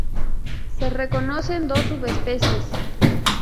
Se reconocen dos subespeciesː